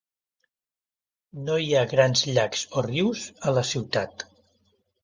No hi ha grans llacs o rius a la ciutat.